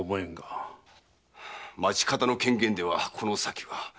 町方の権限ではこの先は。